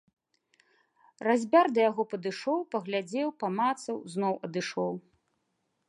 Разьбяр да яго падышоў, паглядзеў, памацаў, зноў адышоў.